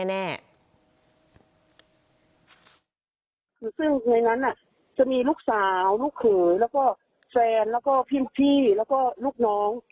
คือซึ่งในนั้นจะมีลูกสาวลูกเขยแล้วก็แฟนแล้วก็พี่แล้วก็ลูกน้อง